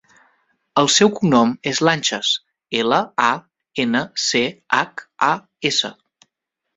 El seu cognom és Lanchas: ela, a, ena, ce, hac, a, essa.